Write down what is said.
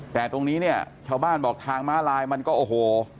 แต่ตรงนี้เนี่ยชาวบ้านบอกทางม้าลายมันก็โอ้โห